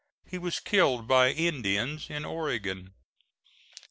He was killed by Indians in Oregon.